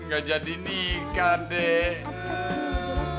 gak jadi nikah deh